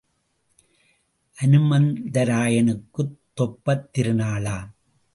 அனுமந்தராயனுக்குத் தெப்பத் திருநாளாம்.